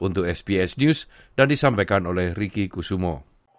untuk sps dan disampaikan oleh riki kusumo